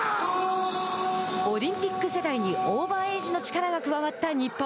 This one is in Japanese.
オリンピック世代にオーバーエイジの力が加わった日本。